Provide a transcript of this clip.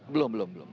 belum belum belum